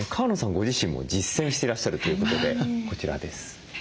ご自身も実践していらっしゃるということでこちらです。